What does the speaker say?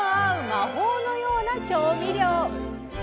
魔法のような調味料。